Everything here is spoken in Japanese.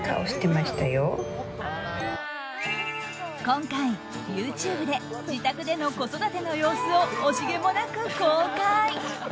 今回、ＹｏｕＴｕｂｅで自宅での子育ての様子を惜しげもなく公開。